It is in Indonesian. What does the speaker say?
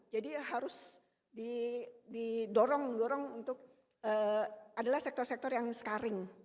jadi harus didorong untuk adalah sektor sektor yang scarring